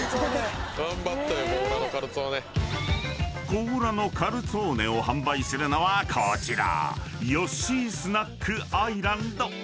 ［こうらのカルツォーネを販売するのはこちら］